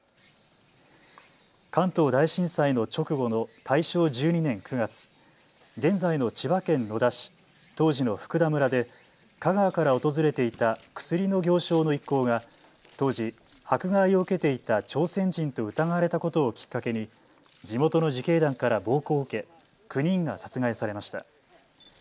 関東大震災の直後の大正１２年９月、現在の千葉県野田市、当時の福田村で香川から訪れていた薬の行商の一行が当時、迫害を受けていた朝鮮人と疑われたことをきっかけに地元の自警団から暴行を受け９人が殺害されました。